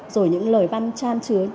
rồi những lời văn tràn trứa